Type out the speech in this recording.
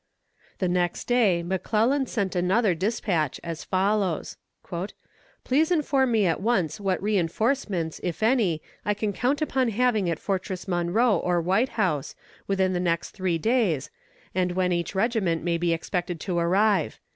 The next day McClellan sent another despatch, as follows: "Please inform me at once what reinforcements, if any, I can count upon having at Fortress Monroe or White House, within the next three days, and when each regiment may be expected to arrive.